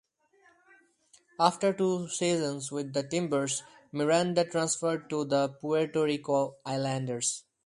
After two seasons with the Timbers, Miranda transferred to the Puerto Rico Islanders.